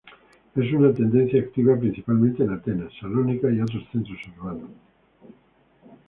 Es una tendencia activa principalmente en Atenas, Salónica y otros centros urbanos.